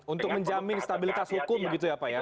untuk menjamin stabilitas hukum begitu ya pak ya